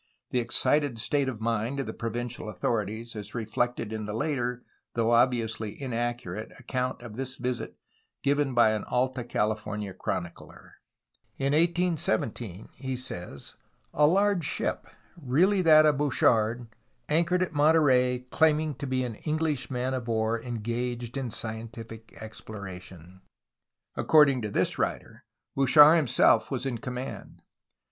The excited state of mind of the provincial authorities is reflected in the later, though ob viously inaccurate, account of this visit given by an Alta California chronicler. "In 1817," he says, ''a large ship, really that of Bouchard, an chored at Monterey, claiming to be an English man of war en gaged in scientific exploration." According to this writer, Bouchard himself was in command.